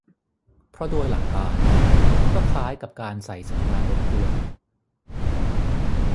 เพราะโดยหลักการ ก็คล้ายกับการใส่สัญญาณรบกวน